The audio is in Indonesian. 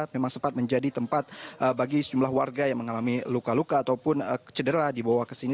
memang sempat menjadi tempat bagi sejumlah warga yang mengalami luka luka ataupun cedera dibawa ke sini